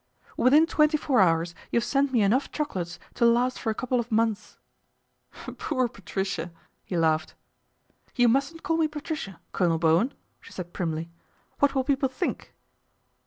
" Within twenty four hours you have sent me enough chocolates to last for a couple of months/' " Poor Patricia !" he laughed. " You mustn't call me Patricia, Colonel Bowen," she said primly. " What will people think